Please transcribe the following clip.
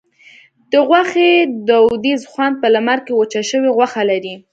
د غوښې دودیز خوند په لمر کې وچه شوې غوښه لري.